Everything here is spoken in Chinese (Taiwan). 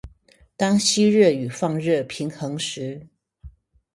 當吸熱與放熱平衡時